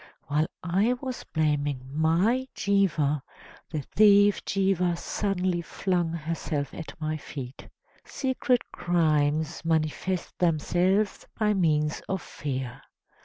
While I was blaming my jihva, the thief Jihva suddenly flung herself at my feet. Secret crimes manifest themselves by means of fear."